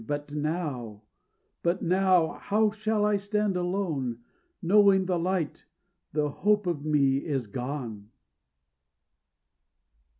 But now but now how shall I stand alone, Knowing the light, the hope of me is gone?